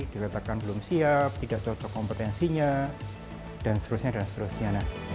diletakkan belum siap tidak cocok kompetensinya dan seterusnya